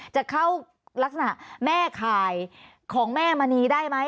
จะเข้าลักษณะแม่ข่ายของแม่มณีได้ไหม